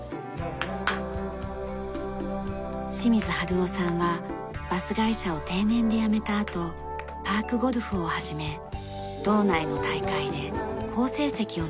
清水春男さんはバス会社を定年で辞めたあとパークゴルフを始め道内の大会で好成績を残しています。